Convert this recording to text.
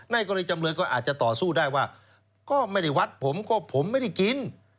กรณีจำเลยก็อาจจะต่อสู้ได้ว่าก็ไม่ได้วัดผมก็ผมไม่ได้กิน